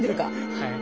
はい。